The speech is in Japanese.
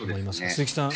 鈴木さん